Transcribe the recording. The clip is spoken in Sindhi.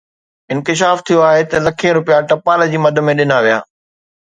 انڪشاف ٿيو آهي ته لکين رپيا ٽپال جي مد ۾ ڏنا ويا